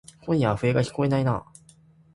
今夜は笛がきこえないかなぁ。